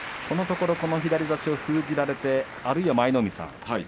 このところこの左差しを封じられてあるいは、舞の海さん